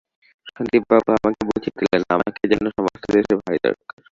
সন্দীপবাবু আমাকে বুঝিয়ে দিলেন, আমাকে যেন সমস্ত দেশের ভারি দরকার।